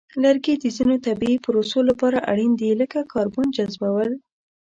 لرګي د ځینو طبیعی پروسو لپاره اړین دي، لکه کاربن جذبول.